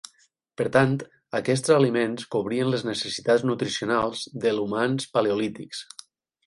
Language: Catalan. Per tant, aquests aliments cobrien les necessitats nutricionals del humans paleolítics.